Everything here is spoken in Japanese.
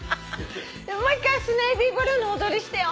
もう一回スネイビーブルーの踊りしてよ。